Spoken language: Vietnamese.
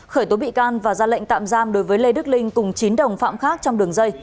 khởi tố bị can và ra lệnh tạm giam đối với lê đức linh cùng chín đồng phạm khác trong đường dây